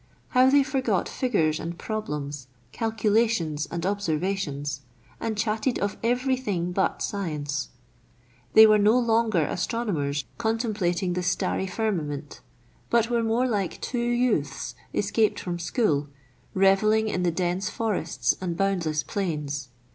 How they forgot figures and problems, calculations and observations, and chatted of every thing but science ! They were no longer astronomers contemplating the starry 54 meridiana; the adventures of firmament, but were more like two youths escaped from school, revelling in the dense forests and boundless plains.